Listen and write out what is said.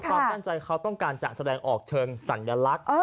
ความตั้งใจเขาต้องการจะแสดงออกเชิงสัญลักษณ์